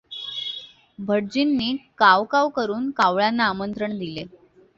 भटजींनी काव काव करून कावळ्यांना आमंत्रण दिले.